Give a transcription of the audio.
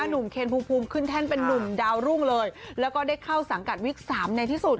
หนุ่มเคนภูมิภูมิขึ้นแท่นเป็นนุ่มดาวรุ่งเลยแล้วก็ได้เข้าสังกัดวิกสามในที่สุด